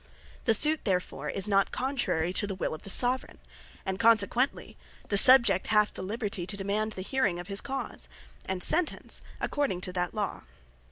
The sute therefore is not contrary to the will of the Soveraign; and consequently the Subject hath the Liberty to demand the hearing of his Cause; and sentence, according to that Law.